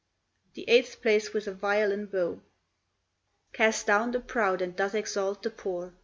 [The eighth plays with a viol and bow.] Casts down the proud and doth exalt the poor!